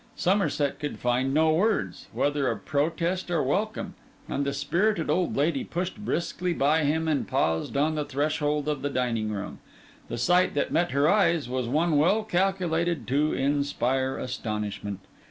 Somerset could find no words, whether of protest or welcome; and the spirited old lady pushed briskly by him and paused on the threshold of the dining room. The sight that met her eyes was one well calculated to inspire astonishment.